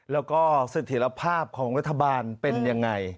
แล้วก็สถิษฐภาพของวิทยาบาลเป็นยังไง